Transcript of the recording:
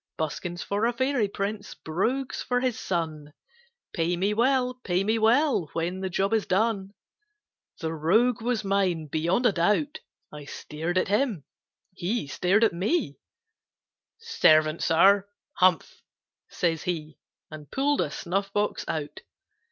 Buskins for a fairy prince, Brogues for his son, Pay me well, pay me well, When the job is done!" The rogue was mine, beyond a doubt. I stared at him, he stared at me; "Servant, Sir!" "Humph!" says he, And pull'd a snuff box out.